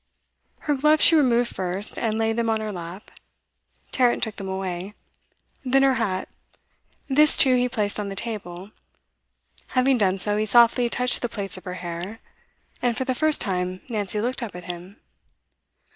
Her gloves she removed first, and laid them on her lap; Tarrant took them away. Then her hat; this too he placed on the table. Having done so, he softly touched the plaits of her hair. And, for the first time, Nancy looked up at him.